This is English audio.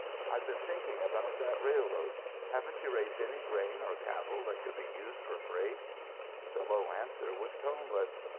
I've been thinking about that railroad. Haven't you raised any grain or cattle that could be used for freight?" The low answer was toneless.